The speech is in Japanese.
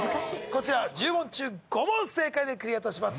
こちら１０問中５問正解でクリアとします。